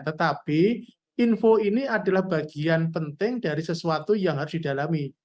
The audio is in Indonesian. tetapi info ini adalah bagian penting dari sesuatu yang harus didalami